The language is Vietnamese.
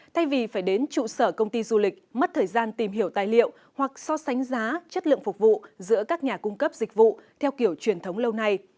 thay vì phải đến trụ sở công ty du lịch mất thời gian tìm hiểu tài liệu hoặc so sánh giá chất lượng phục vụ giữa các nhà cung cấp dịch vụ theo kiểu truyền thống lâu nay